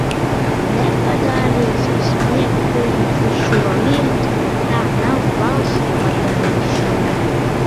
Nepadarīsis smieklīgu šo lietu, tā nav valsts padarīšana!